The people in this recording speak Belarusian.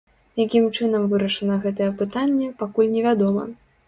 Якім чынам вырашана гэтае пытанне, пакуль невядома.